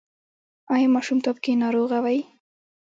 ایا ماشومتوب کې ناروغه وئ؟